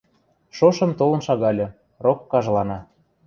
Шошым толын шагальы, рок кажлана.